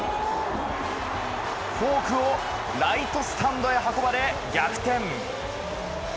フォークをライトスタンドへ運ばれ逆転。